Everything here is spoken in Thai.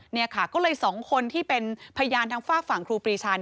นี่ค่ะก็เลยสองคนที่เป็นพยานทางฝากฝั่งครูปรีชา